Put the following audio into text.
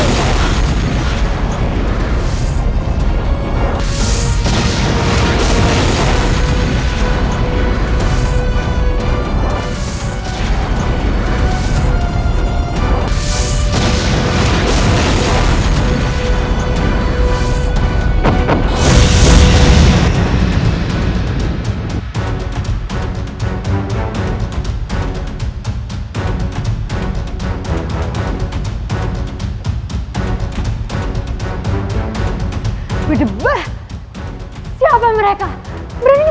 sampai jumpa di video selanjutnya